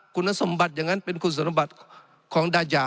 คุณสมบัติอย่างนั้นเป็นคุณสมบัติของดายา